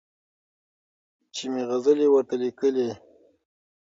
چي مي غزلي ورته لیکلې